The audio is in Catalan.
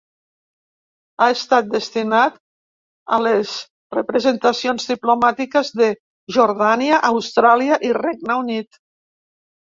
Ha estat destinat a les representacions diplomàtiques de Jordània, Austràlia i Regne Unit.